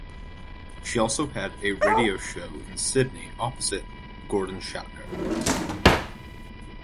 She also had a radio show in Sydney opposite Gordon Chater.